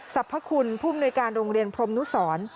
สรรพคุณผู้มนุยการโรงเรียนพรมนุสร